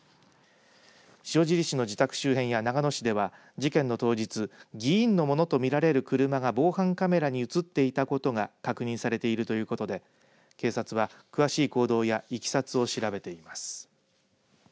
塩尻市の自宅周辺や長野市では事件の当日議員のものと見られる車が防犯カメラに映っていたことが確認されているということで警察は詳しい行動やいきさつを調べています。